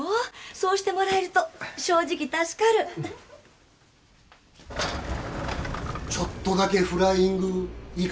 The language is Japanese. そうしてもらえると正直助かるちょっとだけフライングいいかな？